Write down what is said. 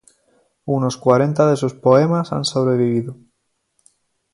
Unos cuarenta de sus poemas han sobrevivido.